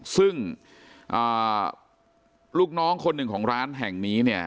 ซึ่งลูกน้องคนหนึ่งของร้านแห่งนี้เนี่ย